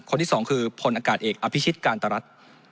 คนที่สองคือพลอากาศเอกอภิชิตการตรรัฐ